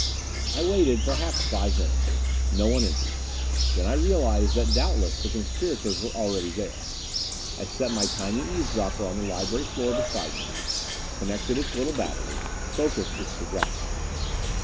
I waited perhaps five minutes. No one entered. Then I realized that doubtless the conspirators were already there. I set my tiny eavesdropper on the library floor beside me; connected its little battery; focused its projector.